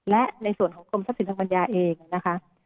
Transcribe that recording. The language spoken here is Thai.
และในส่วนของกรมทรัพย์สินทางปัญญาเองนะคะ